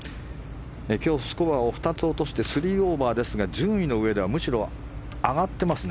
今日、スコアを２つ落として３オーバーですが順位のうえでは上がっていますね。